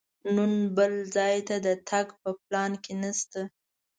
نن بل ځای ته تګ په پلان کې نه شته.